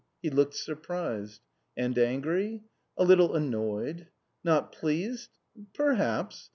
"He looked surprised." "And angry?" "A little annoyed." "Not pleased?" "Perhaps!"